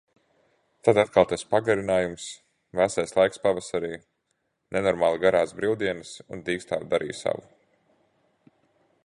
Tad atkal tas pagarinājums. Vēsais laiks pavasarī. Nenormāli garās brīvdienas un dīkstāve darīja savu.